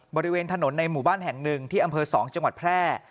บริเวณถนนในหมู่บ้านแห่งหนึ่งที่อำเภอ๒จังหวัดแพร่